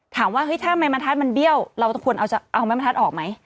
ถามว่าถ้าแม้มะทัศน์มันเบี้ยวเราควรเอาแม้มะทัศน์ออกไหม